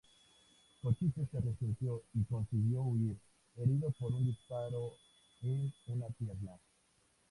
Cochise se resistió y consiguió huir, herido por un disparo en una pierna.